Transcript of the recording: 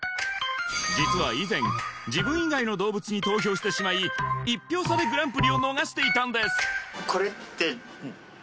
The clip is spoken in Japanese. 実は以前自分以外の動物に投票してしまい１票差でグランプリを逃していたんです